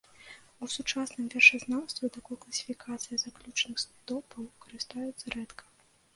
У сучасным вершазнаўстве такой класіфікацыяй заключных стопаў карыстаюцца рэдка.